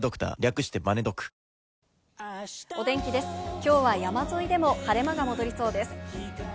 今日は山沿いでも晴れ間が戻りそうです。